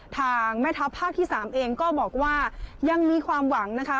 ทางแม่ทัพภาคที่๓เองก็บอกว่ายังมีความหวังนะคะ